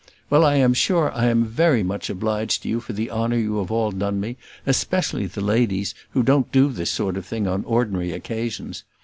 Well, I am sure I am very obliged to you for the honour you have all done me, especially the ladies, who don't do this sort of thing on ordinary occasions.